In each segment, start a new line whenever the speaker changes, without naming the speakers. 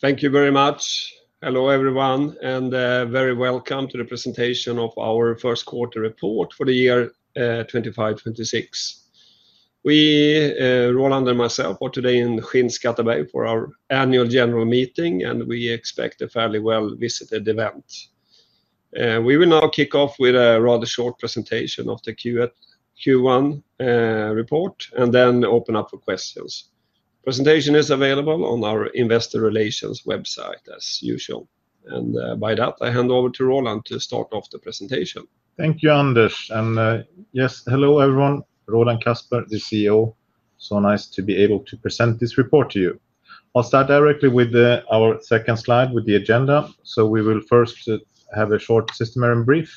Thank you very much. Hello everyone, and very welcome to the presentation of our First Quarter Report for the Year 2025-2026. We, Roland and myself, are today in Skinnskatteberg for our annual general meeting, and we expect a fairly well-visited event. We will now kick off with a rather short presentation of the Q1 report and then open up for questions. The presentation is available on our investor relations website as usual. By that, I hand over to Roland to start off the presentation.
Thank you, Anders. Yes, hello everyone. Roland Kasper, the CEO, so nice to be able to present this report to you. I'll start directly with our second slide with the agenda. We will first have a short system brief,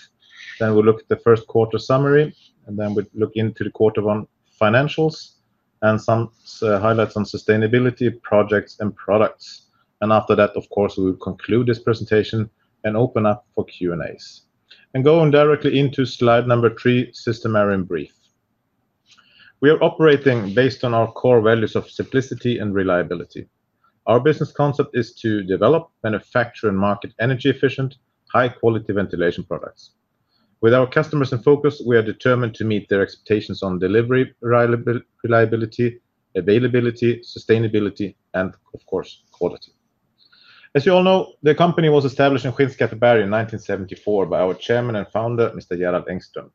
then we'll look at the first quarter summary, and then we'll look into the quarter one financials and some highlights on sustainability projects and products. After that, of course, we will conclude this presentation and open up for Q&As. Going directly into slide number three, system brief. We are operating based on our core values of simplicity and reliability. Our business concept is to develop, manufacture, and market energy-efficient, high-quality ventilation products. With our customers in focus, we are determined to meet their expectations on delivery reliability, availability, sustainability, and, of course, quality. As you all know, the company was established in Skinnskatteberg in 1974 by our Chairman and Founder, Mr. Gerald Engström.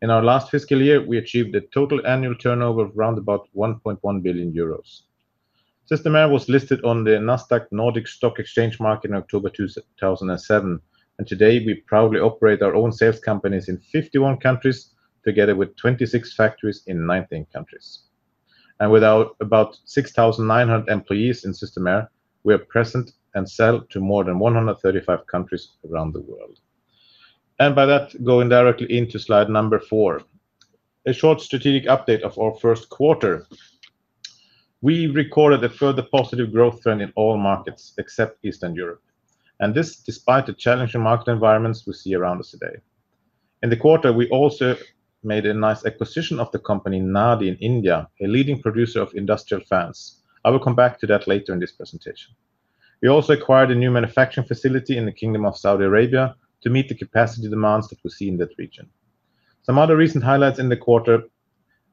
In our last fiscal year, we achieved a total annual turnover of around 1.1 billion euros. Systemair was listed on the Nasdaq Nordic Stock Exchange market in October 2007, and today we proudly operate our own sales companies in 51 countries, together with 26 factories in 19 countries. With about 6,900 employees in Systemair, we are present and sell to more than 135 countries around the world. By that, going directly into slide number four, a short strategic update of our first quarter. We recorded a further positive growth trend in all markets except Eastern Europe. This is despite the challenging market environments we see around us today. In the quarter, we also made a nice acquisition of the company NADI in India, a leading producer of industrial fans. I will come back to that later in this presentation. We also acquired a new manufacturing facility in the Kingdom of Saudi Arabia to meet the capacity demands that we see in that region. Some other recent highlights in the quarter: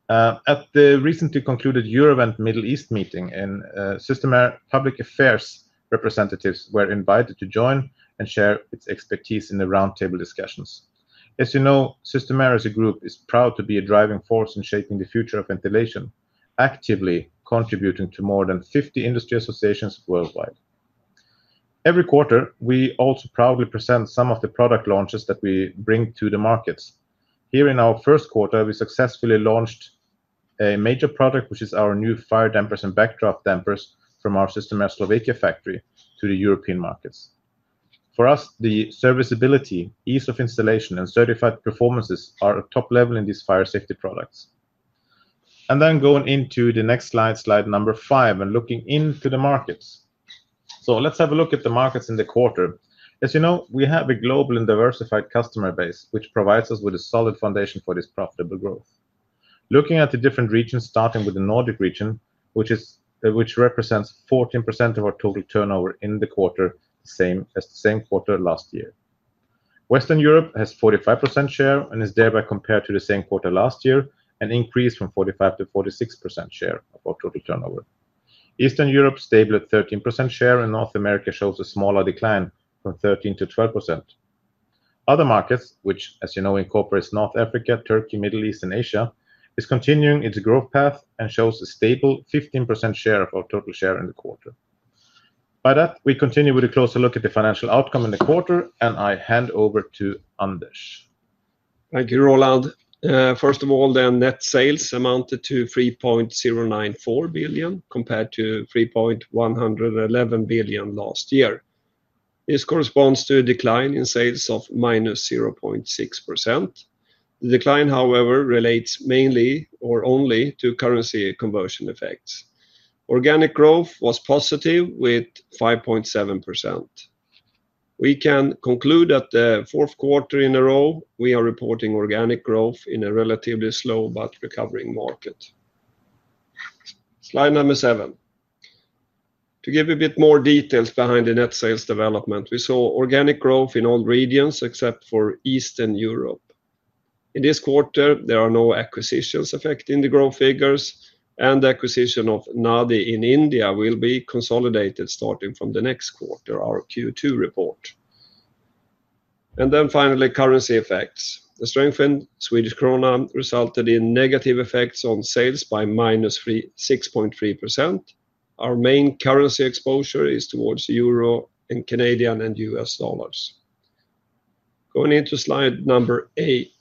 at the recently concluded Europe and Middle East meeting, Systemair's public affairs representatives were invited to join and share its expertise in the roundtable discussions. As you know, Systemair as a group is proud to be a driving force in shaping the future of ventilation, actively contributing to more than 50 industry associations worldwide. Every quarter, we also proudly present some of the product launches that we bring to the markets. Here in our first quarter, we successfully launched a major product, which is our new fire dampers and from our Systemair Slovakia factory to the European markets. For us, the serviceability, ease of installation, and certified performances are at top level in these fire safety products. Going into the next slide, slide number five, and looking into the markets. Let's have a look at the markets in the quarter. As you know, we have a global and diversified customer base, which provides us with a solid foundation for this profitable growth. Looking at the different regions, starting with the Nordic region, which represents 14% of our total turnover in the quarter, the same as the same quarter last year. Western Europe has 45% share and is thereby compared to the same quarter last year and increased from 45% to 46% share of our total turnover. Eastern Europe is stable at 13% share, and North America shows a smaller decline from 13% to 12%. Other markets, which as you know incorporate North Africa, Turkey, Middle East, and Asia, are continuing its growth path and show a stable 15% share of our total share in the quarter. By that, we continue with a closer look at the financial outcome in the quarter, and I hand over to Anders.
Thank you, Roland. First of all, the net sales amounted to 3.094 billion compared to 3.111 billion last year. This corresponds to a decline in sales of -0.6%. The decline, however, relates mainly or only to currency conversion effects. Organic growth was positive with 5.7%. We can conclude that the fourth quarter in a row, we are reporting organic growth in a relatively slow but recovering market. Slide number seven. To give a bit more details behind the net sales development, we saw organic growth in all regions except for Eastern Europe. In this quarter, there are no acquisitions affecting the growth figures, and the acquisition of NADI in India will be consolidated starting from the next quarter, our Q2 report. Finally, currency effects. The strengthened Swedish krona resulted in negative effects on sales by -6.3%. Our main currency exposure is towards Euro and Canadian and U.S. dollars. Going into slide number eight,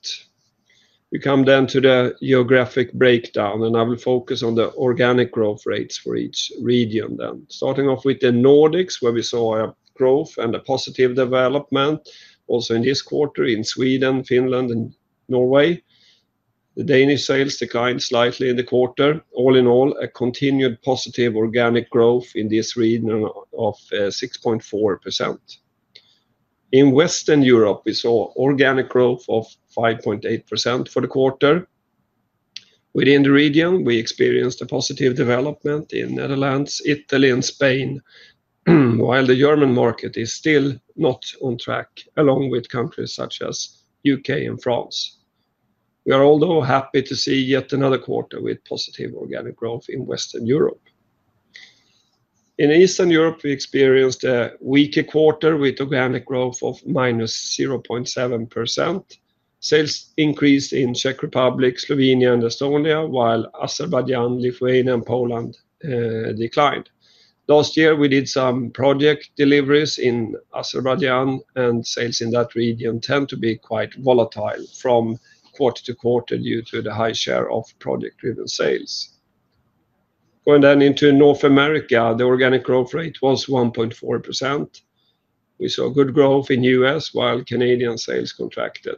we come then to the geographic breakdown, and I will focus on the organic growth rates for each region. Starting off with the Nordics, we saw a growth and a positive development also in this quarter in Sweden, Finland, and Norway. The Danish sales declined slightly in the quarter. All in all, a continued positive organic growth in this region of 6.4%. In Western Europe, we saw organic growth of 5.8% for the quarter. Within the region, we experienced a positive development in the Netherlands, Italy, and Spain, while the German market is still not on track along with countries such as the U.K. and France. We are also happy to see yet another quarter with positive organic growth in Western Europe. In Eastern Europe, we experienced a weaker quarter with organic growth of -0.7%. Sales increased in the Czech Republic, Slovenia, and Estonia, while Azerbaijan, Lithuania, and Poland declined. Last year, we did some project deliveries in Azerbaijan, and sales in that region tend to be quite volatile from quarter to quarter due to the high share of project-driven sales. In North America, the organic growth rate was 1.4%. We saw good growth in the U.S., while Canadian sales contracted.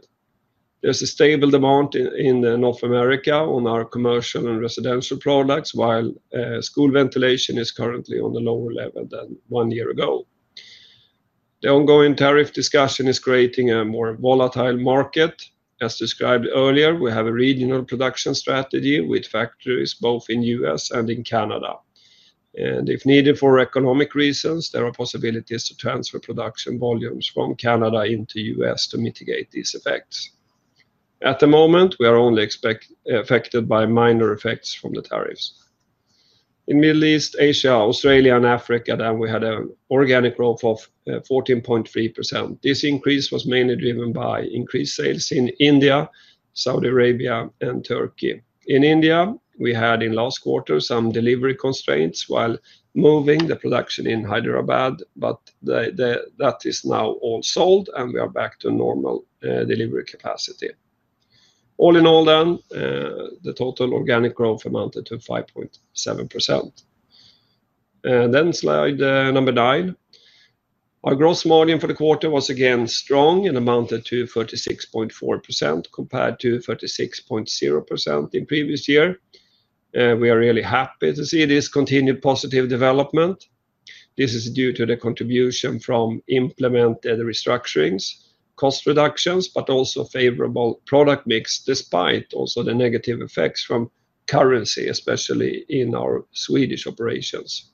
There's a stable demand in North America on our commercial and residential products, while school ventilation is currently on a lower level than one year ago. The ongoing tariff discussion is creating a more volatile market. As described earlier, we have a regional production strategy with factories both in the U.S. and in Canada. If needed for economic reasons, there are possibilities to transfer production volumes from Canada into the U.S. to mitigate these effects. At the moment, we are only affected by minor effects from the tariffs. In the Middle East, Asia, Australia, and Africa, we had an organic growth of 14.3%. This increase was mainly driven by increased sales in India, Saudi Arabia, and Turkey. In India, we had in the last quarter some delivery constraints while moving the production in Hyderabad, but that is now all solved and we are back to normal delivery capacity. All in all, the total organic growth amounted to 5.7%. Slide number nine. Our gross margin for the quarter was again strong and amounted to 36.4% compared to 36.0% in the previous year. We are really happy to see this continued positive development. This is due to the contribution from implemented restructurings, cost reductions, but also favorable product mix despite also the negative effects from currency, especially in our Swedish operations.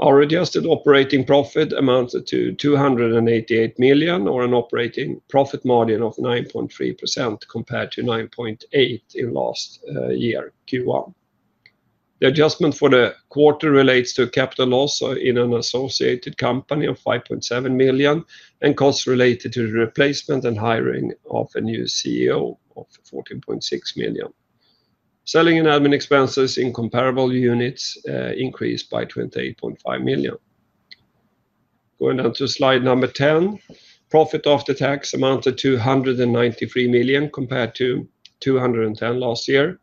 Our adjusted operating profit amounted to 288 million, or an operating profit margin of 9.3% compared to 9.8% in last year Q1. The adjustment for the quarter relates to capital loss in an associated company of 5.7 million and costs related to the replacement and hiring of a new CEO of 14.6 million. Selling and admin expenses in comparable units increased by 28.5 million. Going on to slide number ten. Profit after tax amounted to 193 million compared to 210 million last year.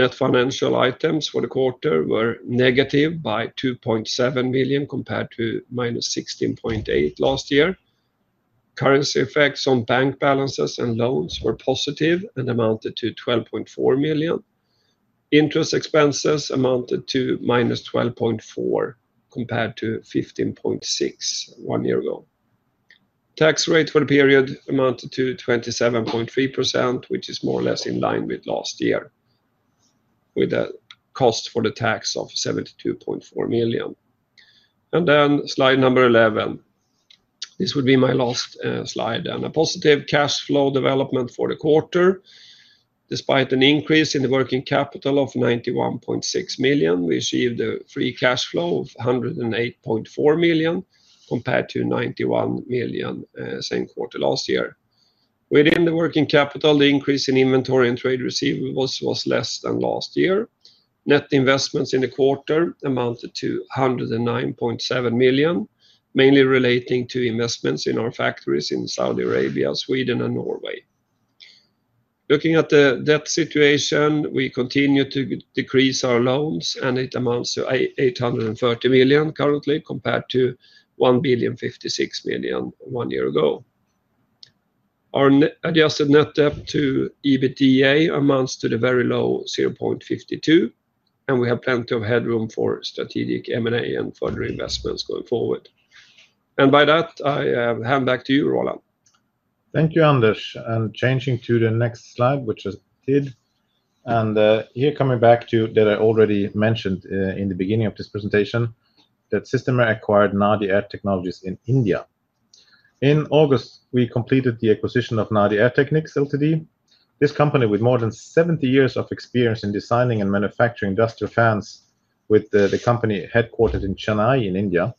Net financial items for the quarter were negative by 2.7 million compared to -16.8% last year. Currency effects on bank balances and loans were positive and amounted to 12.4 million. Interest expenses amounted to -12.4% compared to 15.6% one year ago. Tax rate for the period amounted to 27.3%, which is more or less in line with last year with the cost for the tax of 72.4 million. Slide number 11. This would be my last slide. A positive cash flow development for the quarter, despite an increase in the working capital of 91.6 million, we achieved a free cash flow of 108.4 million compared to 91 million same quarter last year. Within the working capital, the increase in inventory and trade receivables was less than last year. Net investments in the quarter amounted to 109.7 million, mainly relating to investments in our factories in Saudi Arabia, Sweden, and Norway. Looking at the debt situation, we continue to decrease our loans, and it amounts to 830 million currently compared to 1.56 billion one year ago. Our adjusted net debt/EBITDA amounts to the very low 0.52x, and we have plenty of headroom for strategic M&A and further investments going forward. By that, I hand back to you, Roland.
Thank you, Anders. Changing to the next slide, which I did. Here, coming back to what I already mentioned in the beginning of this presentation, that Systemair acquired NADI AirTechnics in India. In August, we completed the acquisition of NADI AirTechnics Ltd. This company, with more than 70 years of experience in designing and manufacturing industrial fans, is headquartered in Chennai in India,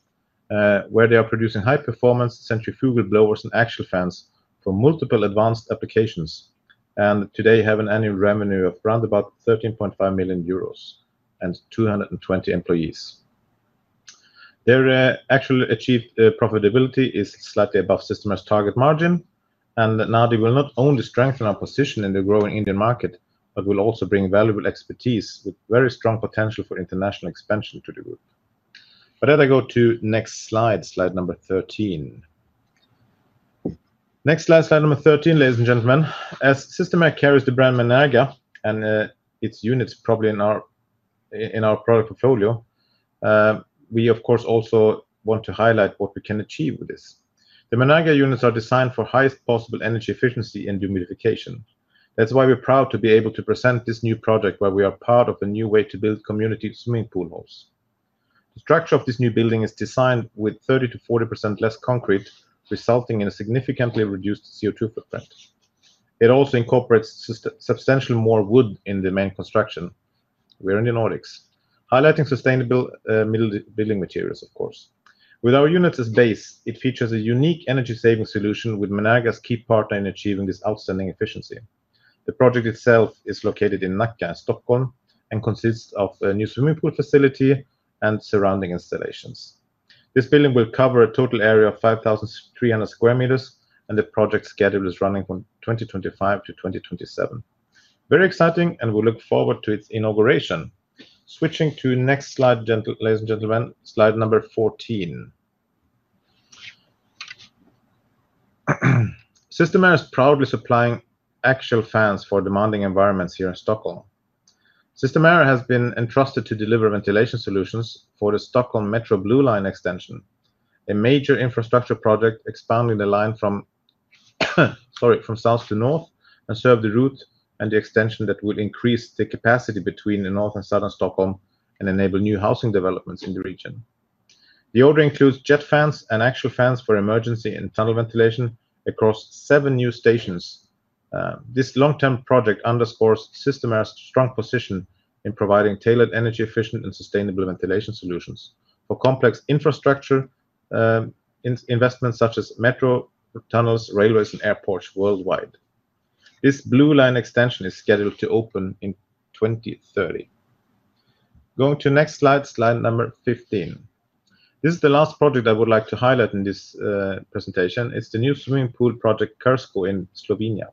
where they are producing high-performance centrifugal blowers and axial fans for multiple advanced applications. Today, they have an annual revenue of approximately 13.5 million euros and 220 employees. Their actual achieved profitability is slightly above Systemair's target margin, and NADI will not only strengthen our position in the growing Indian market, but will also bring valuable expertise with very strong potential for international expansion to the group. As I go to the next slide, slide number 13. Next slide, slide number 13, ladies and gentlemen. As Systemair carries the brand Menerga and its units proudly in our product portfolio, we of course also want to highlight what we can achieve with this. The Menerga units are designed for highest possible energy efficiency and humidification. That's why we're proud to be able to present this new project where we are part of a new way to build community swimming pool halls. The structure of this new building is designed with 30%-40% less concrete, resulting in a significantly reduced CO2 footprint. It also incorporates substantially more wood in the main construction. We are in the Nordics, highlighting sustainable building materials, of course. With our units as base, it features a unique energy-saving solution with Menerga's key partner in achieving this outstanding efficiency. The project itself is located in Nacka, Stockholm, and consists of a new swimming pool facility and surrounding installations. This building will cover a total area of 5,300 square meters, and the project schedule is running from 2025 to 2027. Very exciting, and we look forward to its inauguration. Switching to the next slide, ladies and gentlemen, slide number 14. Systemair is proudly supplying axial fans for demanding environments here in Stockholm. Systemair has been entrusted to deliver ventilation solutions for the Stockholm Metro Blue Line extension, a major infrastructure project expanding the line from south to north and serve the route and the extension that would increase the capacity between the north and southern Stockholm and enable new housing developments in the region. The order includes jet fans and axial fans for emergency and tunnel ventilation across seven new stations. This long-term project underscores Systemair's strong position in providing tailored, energy-efficient, and sustainable ventilation solutions for complex infrastructure investments such as metro tunnels, railways, and airports worldwide. This Blue Line extension is scheduled to open in 2030. Going to the next slide, slide number 15. This is the last project I would like to highlight in this presentation. It's the new swimming pool project in Krško, Slovenia.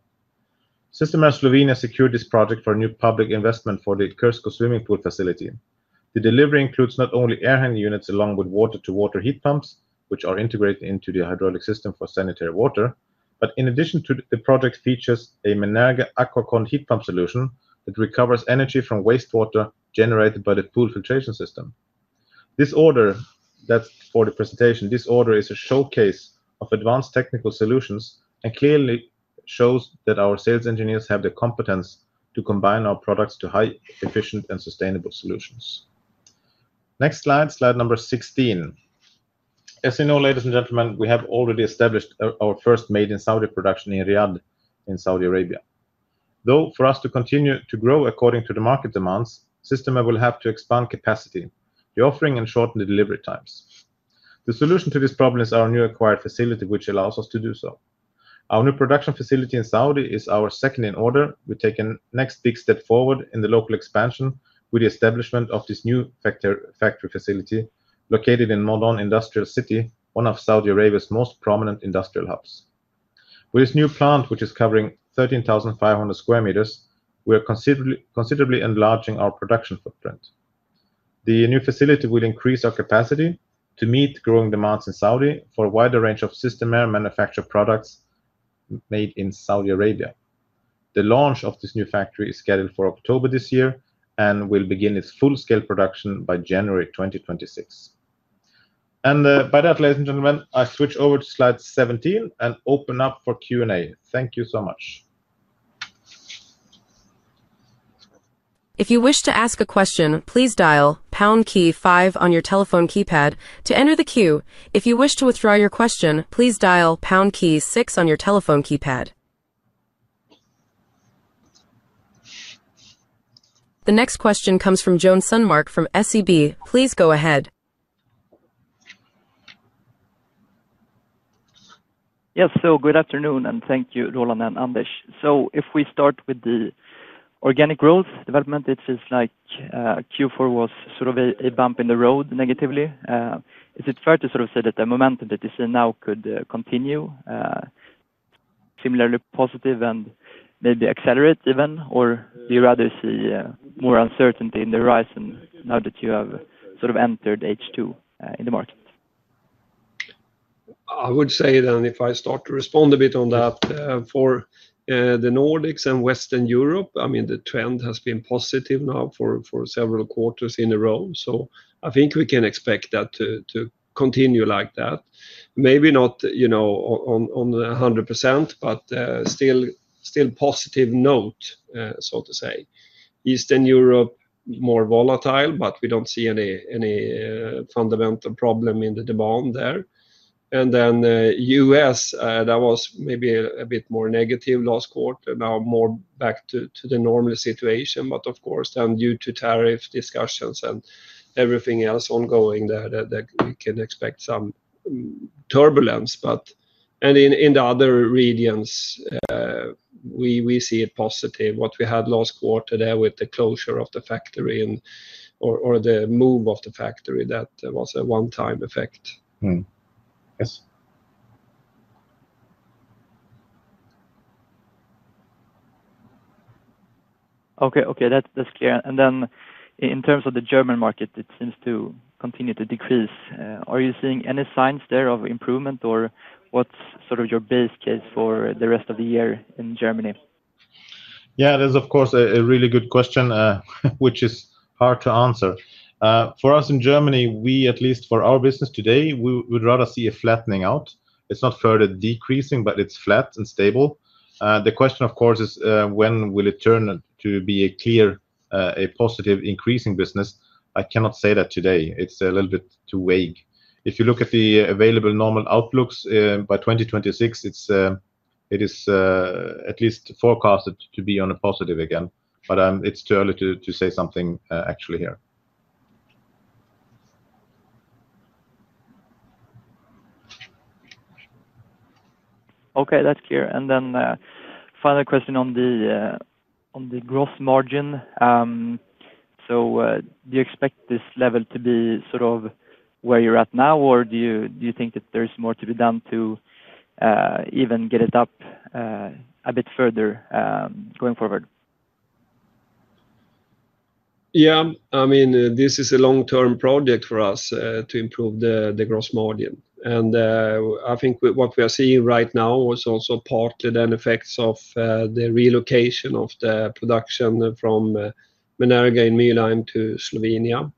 Systemair Slovenia secured this project for a new public investment for the Krško swimming pool facility. The delivery includes not only air handling units along with water-to-water heat pumps, which are integrated into the hydraulic system for sanitary water, but in addition the project features a Menerga AquaCon heat pump solution that recovers energy from wastewater generated by the pool filtration system. This order, that's for the presentation, this order is a showcase of advanced technical solutions and clearly shows that our sales engineers have the competence to combine our products to high-efficient and sustainable solutions. Next slide, slide number 16. As you know, ladies and gentlemen, we have already established our first made-in-Saudi production in Riyadh in Saudi Arabia. For us to continue to grow according to the market demands, Systemair will have to expand capacity, the offering, and shorten the delivery times. The solution to this problem is our newly acquired facility, which allows us to do so. Our new production facility in Saudi is our second in order. We take the next big step forward in the local expansion with the establishment of this new factory facility located in MODON Industrial City, one of Saudi Arabia's most prominent industrial hubs. With this new plant, which is covering 13,500 square meters, we are considerably enlarging our production footprint. The new facility will increase our capacity to meet growing demands in Saudi for a wider range of Systemair manufactured products made in Saudi Arabia. The launch of this new factory is scheduled for October this year and will begin its full-scale production by January 2026. By that, ladies and gentlemen, I switch over to slide 17 and open up for Q&A. Thank you so much.
If you wish to ask a question, please dial pound key five on your telephone keypad to enter the queue. If you wish to withdraw your question, please dial pound key six on your telephone keypad. The next question comes from Joen Sundmark from SEB. Please go ahead.
Yes, good afternoon and thank you, Roland and Anders. If we start with the organic growth development, it seems like Q4 was sort of a bump in the road negatively. Is it fair to sort of say that the momentum that you see now could continue similarly positive and maybe accelerate even, or do you rather see more uncertainty in the horizon now that you have sort of entered H2 in the market?
I would say that if I start to respond a bit on that for the Nordics and Western Europe, the trend has been positive now for several quarters in a row. I think we can expect that to continue like that, maybe not, you know, on 100%, but still a positive note, so to say. Eastern Europe is more volatile, but we don't see any fundamental problem in the demand there. The U.S. was maybe a bit more negative last quarter, now more back to the normal situation. Of course, due to tariff discussions and everything else ongoing there, we can expect some turbulence. In the other regions, we see it positive. What we had last quarter there with the closure of the factory or the move of the factory, that was a one-time effect.
Okay, that's clear. In terms of the German market, it seems to continue to decrease. Are you seeing any signs there of improvement or what's sort of your base case for the rest of the year in Germany?
Yeah, that's of course a really good question, which is hard to answer. For us in Germany, we, at least for our business today, would rather see a flattening out. It's not further decreasing, but it's flat and stable. The question, of course, is when will it turn to be a clear, a positive increasing business? I cannot say that today. It's a little bit too vague. If you look at the available normal outlooks by 2026, it is at least forecasted to be on a positive again, but it's too early to say something actually here.
Okay, that's clear. The final question on the gross margin: do you expect this level to be sort of where you're at now, or do you think that there's more to be done to even get it up a bit further going forward?
Yeah, I mean, this is a long-term project for us to improve the gross margin. I think what we are seeing right now is also part of the effects of the relocation of the production from Menerga in Milan to Slovenia.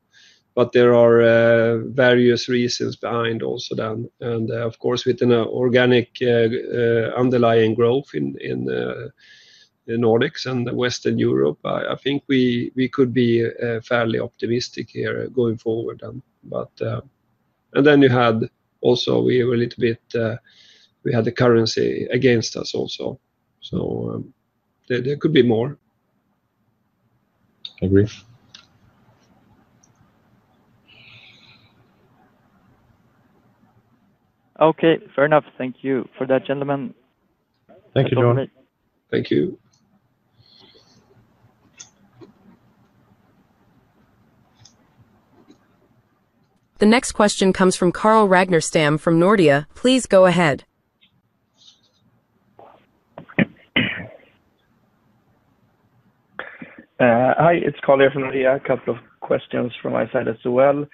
There are various reasons behind also then. Of course, with an organic underlying growth in the Nordics and Western Europe, I think we could be fairly optimistic here going forward. We had the currency against us also, so there could be more.
Agreed.
Okay, fair enough. Thank you for that, gentlemen.
Thank you, Joen.
Thank you.
The next question comes from Carl Ragnerstam from Nordea. Please go ahead.
Hi, it's Carl here from Nordia. A couple of questions from my side as well.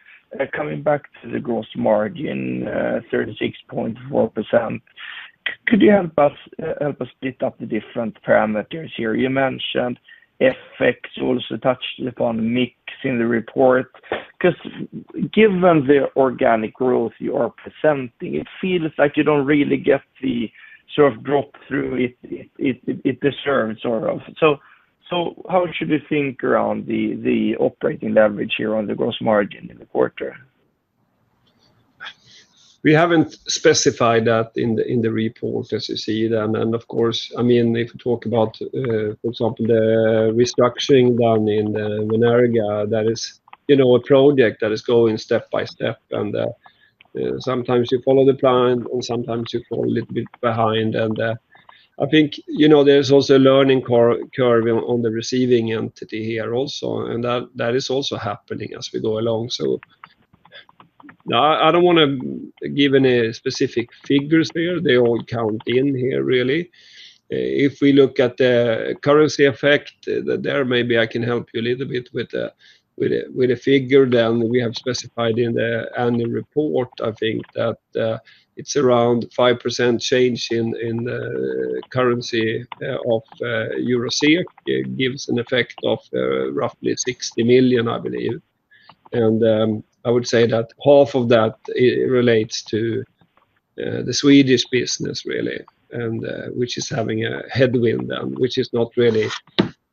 Coming back to the gross margin, 36.4%. Could you help us split up the different parameters here? You mentioned effects, also touched upon mix in the report. Because given the organic growth you are presenting, it feels like you don't really get the sort of drop through it deserves. How should we think around the operating leverage here on the gross margin in the quarter?
We haven't specified that in the report, as you see then. If you talk about, for example, the restructuring done in the Menerga, that is, you know, a project that is going step by step. Sometimes you follow the plan and sometimes you fall a little bit behind. I think, you know, there's also a learning curve on the receiving entity here also. That is also happening as we go along. I don't want to give any specific figures there. They all count in here really. If we look at the currency effect there, maybe I can help you a little bit with the figure then we have specified in the annual report. I think that it's around 5% change in the currency of EUR/SEK. It gives an effect of roughly 60 million, I believe. I would say that half of that relates to the Swedish business really, and which is having a headwind then, which is not really,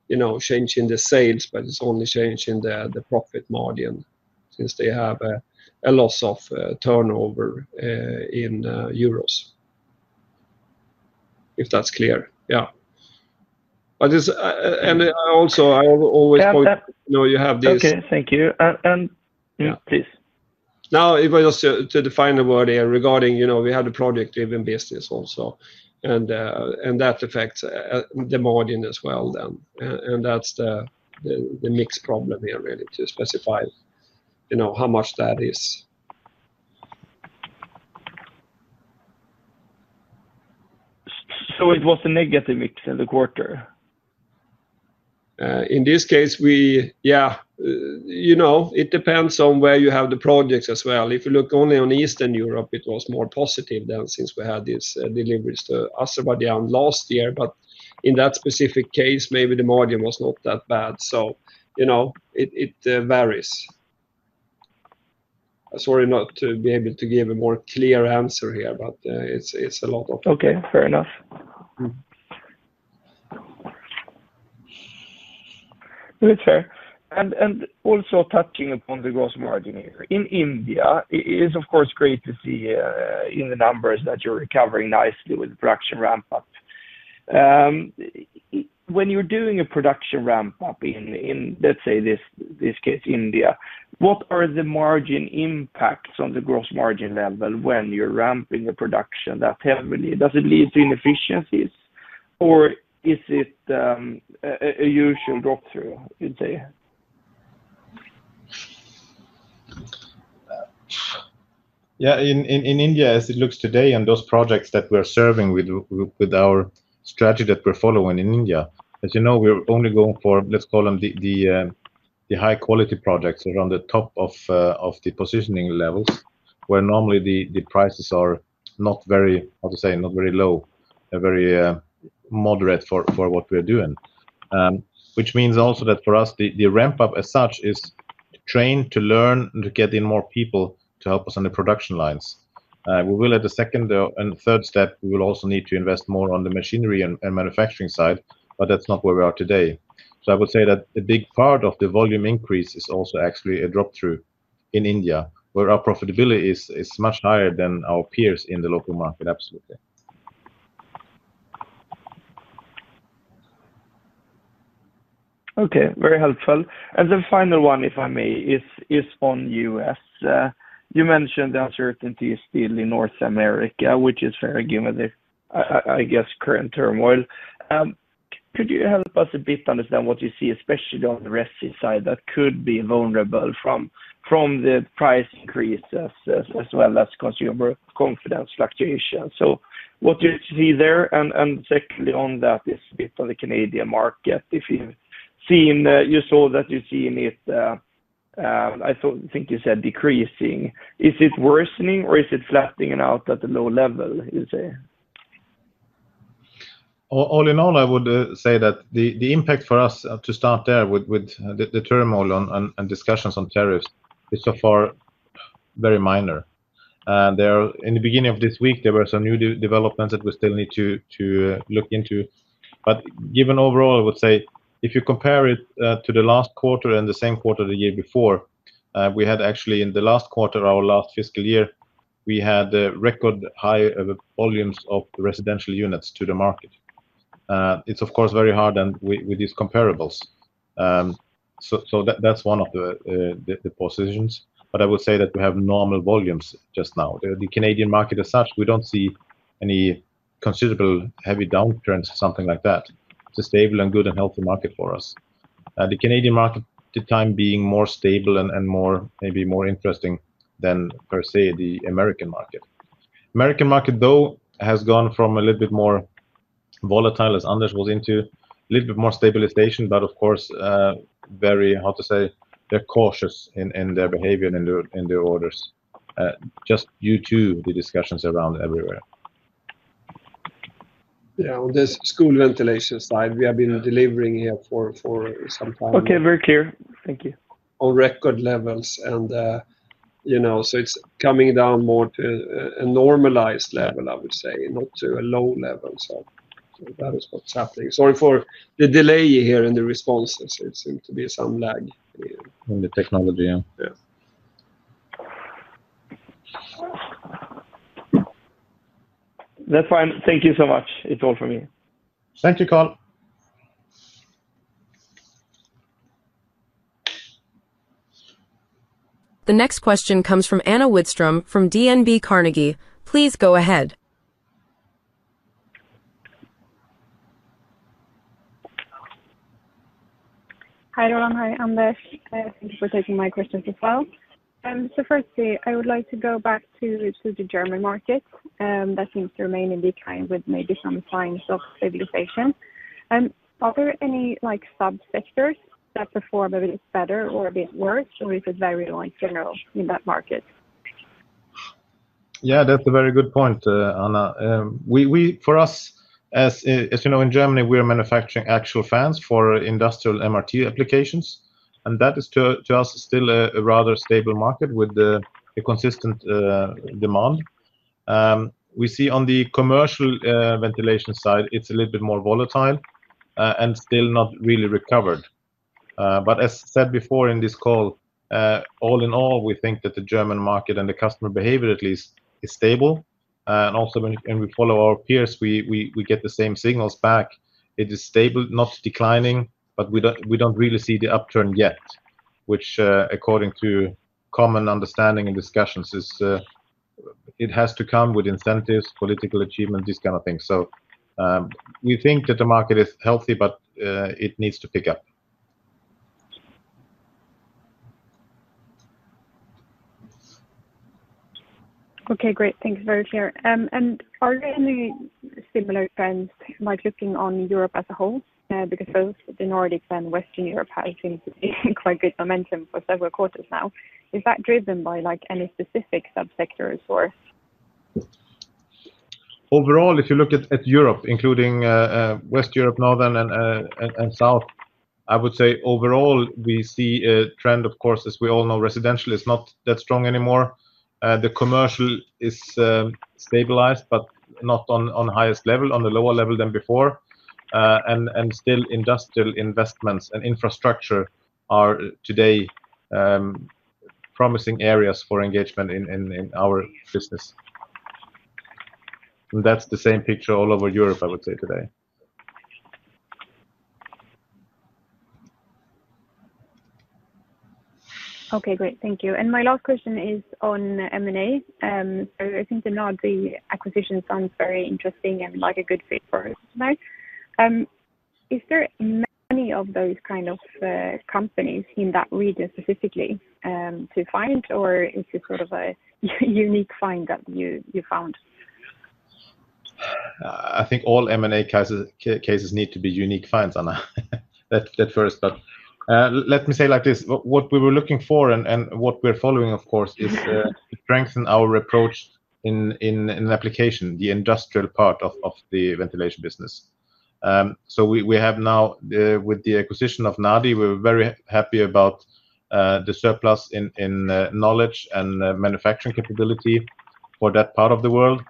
you know, changing the sales, but it's only changing the profit margin since they have a loss of turnover in Euros, if that's clear. I always point out, you know, you have this.
Okay, thank you. Yes, please.
Now, if I just define the word here regarding, you know, we have the project-driven business also. That affects the margin as well. That's the mixed problem here really to specify, you know, how much that is.
It was a negative mix in the quarter.
In this case, it depends on where you have the projects as well. If you look only on Eastern Europe, it was more positive then since we had these deliveries to Azerbaijan last year. In that specific case, maybe the margin was not that bad. It varies. Sorry not to be able to give a more clear answer here, but it's a lot of.
Okay, fair enough. Sure. Also, touching upon the gross margin here in India, it is of course great to see in the numbers that you're recovering nicely with the production ramp-up. When you're doing a production ramp-up in, let's say, this case, India, what are the margin impacts on the gross margin level when you're ramping a production that heavily? Does it lead to inefficiencies or is it a usual drop-through, you'd say?
Yeah, in India, as it looks today and those projects that we're serving with our strategy that we're following in India, as you know, we're only going for, let's call them, the high-quality projects around the top of the positioning levels where normally the prices are not very, how to say, not very low, very moderate for what we're doing. This means also that for us, the ramp-up as such is trained to learn and to get in more people to help us on the production lines. At the second and third step, we will also need to invest more on the machinery and manufacturing side, but that's not where we are today. I would say that a big part of the volume increase is also actually a drop-through in India where our profitability is much higher than our peers in the local market, absolutely.
Okay, very helpful. The final one, if I may, is on the U.S. You mentioned the uncertainty is still in North America, which is very given the, I guess, current turmoil. Could you help us a bit understand what you see, especially on the rescue side that could be vulnerable from the price increases as well as consumer confidence fluctuations? What do you see there? Secondly, on that is a bit on the Canadian market. If you've seen, you saw that you've seen it, I think you said decreasing. Is it worsening or is it flattening out at the low level, you'd say?
All in all, I would say that the impact for us to start there with the turmoil and discussions on tariffs is so far very minor. In the beginning of this week, there were some new developments that we still need to look into. Given overall, I would say if you compare it to the last quarter and the same quarter of the year before, we had actually in the last quarter, our last fiscal year, record high volumes of residential units to the market. It's of course very hard with these comparables. That's one of the positions. I would say that we have normal volumes just now. The Canadian market as such, we don't see any considerable heavy downtrend or something like that. It's a stable and good and healthy market for us. The Canadian market, the time being, more stable and maybe more interesting than per se the American market. The American market, though, has gone from a little bit more volatile, as Anders was into, a little bit more stabilization, but of course, very hard to say. They're cautious in their behavior and in their orders just due to the discussions around everywhere.
Yeah, on the school ventilation side, we have been delivering here for some time.
Okay, very clear. Thank you.
Record levels have come down more to a normalized level, I would say, not to a low level. That was what's happening. Sorry for the delay here in the responses. It seemed to be some lag.
On the technology, yeah.
That's fine. Thank you so much. It's all for me.
Thank you, Carl.
The next question comes from Anna Widström from DNB Carnegie. Please go ahead.
Hi Roland, hi Anders. Thanks for taking my question so far. Firstly, I would like to go back to the German market that seems to remain in decline with maybe some signs of stabilization. Are there any sub-sectors that perform a bit better or a bit worse, or is it very general in that market?
Yeah, that's a very good point, Anna. For us, as you know, in Germany, we are manufacturing actual fans for industrial MRT applications. That is to us still a rather stable market with a consistent demand. We see on the commercial ventilation side, it's a little bit more volatile and still not really recovered. As said before in this call, all in all, we think that the German market and the customer behavior at least is stable. Also, when we follow our peers, we get the same signals back. It is stable, not declining, but we don't really see the upturn yet, which according to common understanding and discussions is it has to come with incentives, political achievement, these kind of things. We think that the market is healthy, but it needs to pick up.
Okay, great. Thanks very much. Are there any similar trends looking on Europe as a whole? Both the Nordics and Western Europe have seen quite good momentum for several quarters now. Is that driven by any specific sub-sectors?
Overall, if you look at Europe, including Western Europe, Northern, and South, I would say overall we see a trend, of course, as we all know, residential is not that strong anymore. The commercial is stabilized, but not on the highest level, on the lower level than before. Still, industrial investments and infrastructure are today promising areas for engagement in our business. That's the same picture all over Europe, I would say today.
Okay, great. Thank you. My last question is on M&A. I think the NADI acquisition sounds very interesting and like a good fit for us. Is there any of those kind of companies in that region specifically to find, or is it sort of a unique find that you found?
I think all M&A cases need to be unique finds, Anna. That first. What we were looking for and what we're following, of course, is it strengthens our approach in an application, the industrial part of the ventilation business. We have now, with the acquisition of NADI, we're very happy about the surplus in knowledge and manufacturing capability for that part of the world.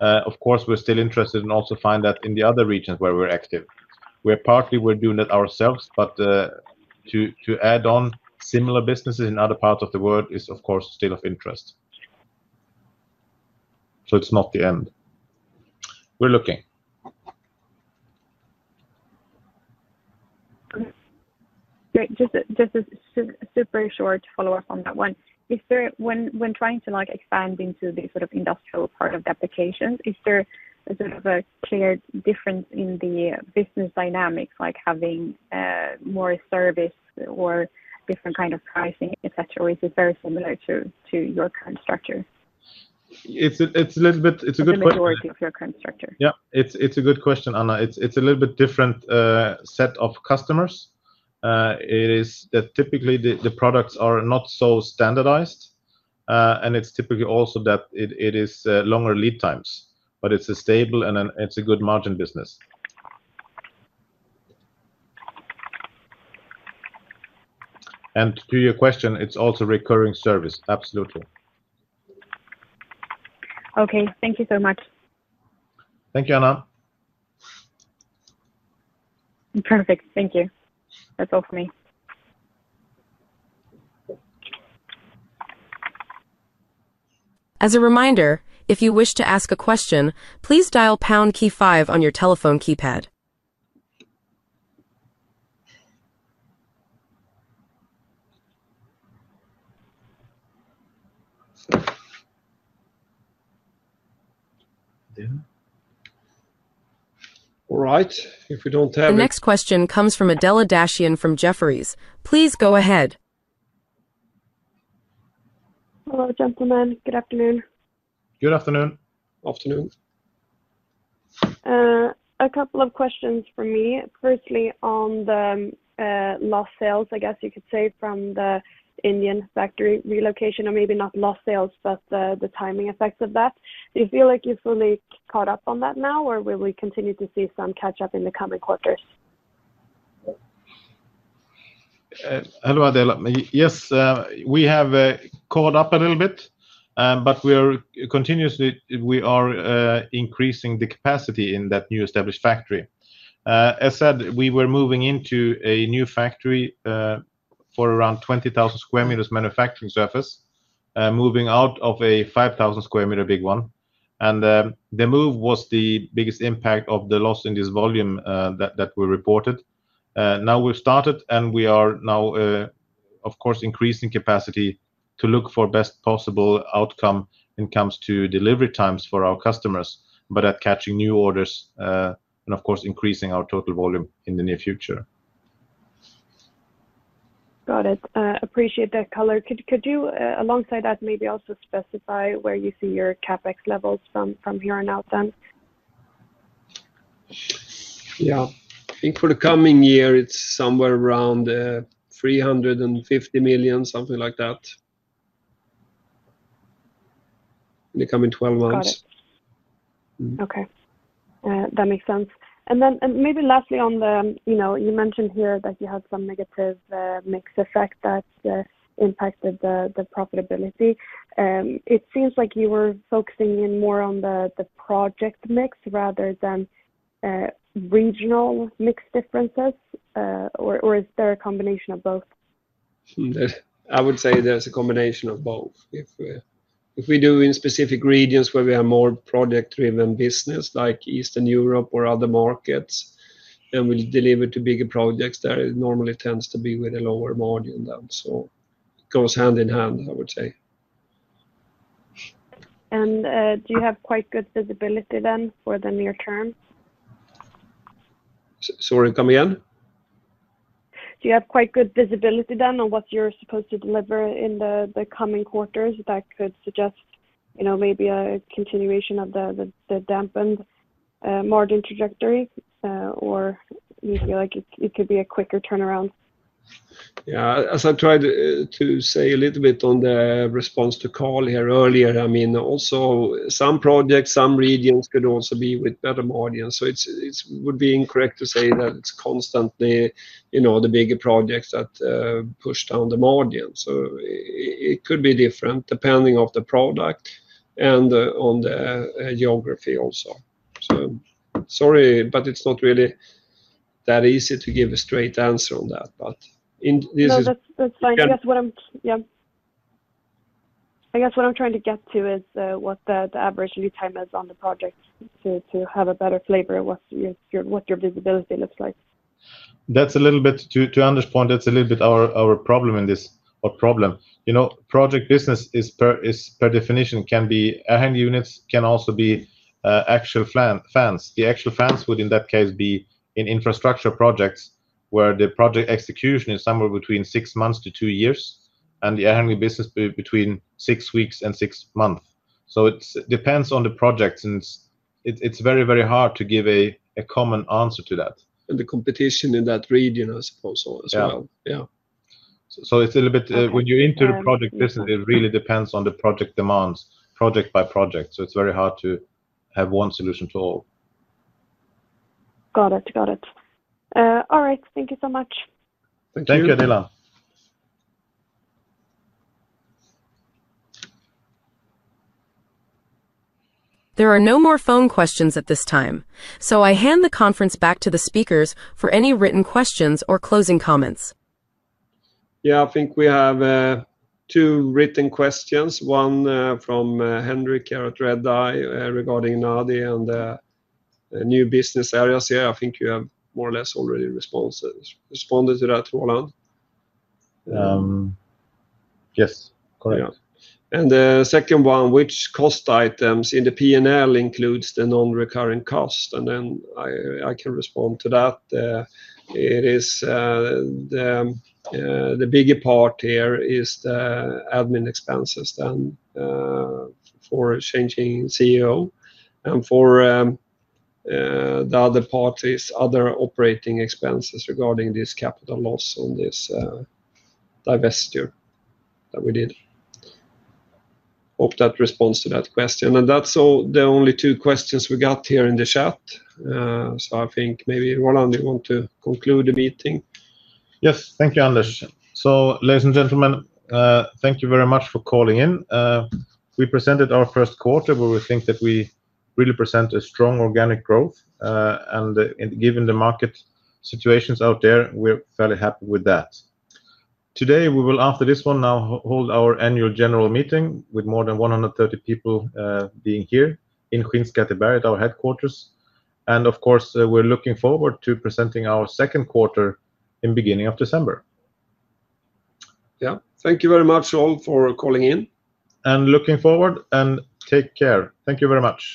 Of course, we're still interested in also finding that in the other regions where we're active. We're partly doing that ourselves, but to add on similar businesses in other parts of the world is, of course, still of interest. It's not the end. We're looking.
Okay. Great. Just super short to follow up on that one. Is there, when trying to expand into the sort of industrial part of the applications, is there a clear difference in the business dynamics, like having more service or different kind of pricing, etc.? Or is it very similar to your current structure?
It's a good question.
The majority of your current structure?
Yeah, it's a good question, Anna. It's a little bit different set of customers. It is that typically the products are not so standardized, and it's typically also that it is longer lead times. It's a stable and it's a good margin business. To your question, it's also recurring service, absolutely.
Okay, thank you so much.
Thank you, Anna.
Perfect. Thank you. That's all for me.
As a reminder, if you wish to ask a question, please dial the pound key five on your telephone keypad.
Right, if we don't have it.
Our next question comes from Adela Dashian from Jefferies. Please go ahead.
Hello, gentlemen. Good afternoon.
Good afternoon.
Afternoon.
A couple of questions from me. Firstly, on the lost sales, I guess you could say, from the Indian factory relocation, or maybe not lost sales, but the timing effects of that. Do you feel like you've fully caught up on that now, or will we continue to see some catch-up in the coming quarters?
Hello, Adela. Yes, we have caught up a little bit, but we are continuously increasing the capacity in that new established factory. As said, we were moving into a new factory for around 20,000 square meters manufacturing surface, moving out of a 5,000 square meter big one. The move was the biggest impact of the loss in this volume that we reported. Now we've started and we are now, of course, increasing capacity to look for the best possible outcome when it comes to delivery times for our customers, catching new orders and, of course, increasing our total volume in the near future.
Got it. Appreciate that, Carl. Could you, alongside that, maybe also specify where you see your CapEx levels from here on out?
Yeah, I think for the coming year, it's somewhere around 350 million, something like that in the coming 12 months.
Got it. Okay. That makes sense. Maybe lastly, you mentioned here that you had some negative mix effect that impacted the profitability. It seems like you were focusing in more on the project mix rather than regional mix differences, or is there a combination of both?
I would say there's a combination of both. If we do in specific regions where we have more project-driven business, like Eastern Europe or other markets, we deliver to bigger projects there. It normally tends to be with a lower margin. It goes hand in hand, I would say.
Do you have quite good visibility then for the near-term?
Sorry, come again?
Do you have quite good visibility then on what you're supposed to deliver in the coming quarters that could suggest, you know, maybe a continuation of the dampened margin trajectory, or do you feel like it could be a quicker turnaround?
As I tried to say a little bit on the response to Carl here earlier, I mean, also some projects, some regions could also be with better margins. It would be incorrect to say that it's constantly, you know, the bigger projects that push down the margin. It could be different depending on the product and on the geography also. Sorry, but it's not really that easy to give a straight answer on that, but in this is.
No, that's fine. I guess what I'm trying to get to is what the average lead time is on the project to have a better flavor of what your visibility looks like.
That's a little bit, to Anders' point, that's a little bit our problem in this, or problem. You know, project business per definition can be air handling units, can also be actual fans. The actual fans would in that case be in infrastructure projects where the project execution is somewhere between six months to two years, and the air handling business between six weeks and six months. It depends on the project, and it's very, very hard to give a common answer to that.
The competition in that region, I suppose, as well.
Yeah. When you enter the project business, it really depends on the project demands, project by project. It is very hard to have one solution to all.
Got it, got it. All right, thank you so much.
Thank you, Adela.
There are no more phone questions at this time. I hand the conference back to the speakers for any written questions or closing comments.
Yeah, I think we have two written questions. One from Henrik at Redeye regarding NADI and the new business areas here. I think you have more or less already responded to that, Roland.
Yes, correct.
The second one, which cost items in the P&L includes the non-recurring cost? I can respond to that. The bigger part here is the admin expenses for changing CEO. The other part is other operating expenses regarding this capital loss on this divestiture that we did. Hope that responds to that question. That's the only two questions we got here in the chat. I think maybe, Roland, you want to conclude the meeting?
Yes, thank you, Anders. Ladies and gentlemen, thank you very much for calling in. We presented our first quarter where we think that we really presented strong organic growth. Given the market situations out there, we're very happy with that. Today, we will, after this one, now hold our annual general meeting with more than 130 people being here in Skinnskatteberg at our headquarters. Of course, we're looking forward to presenting our second quarter in the beginning of December.
Thank you very much all for calling in.
Looking forward and take care. Thank you very much.